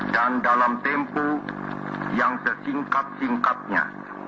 dan dalam tempu yang sesingkat singkatnya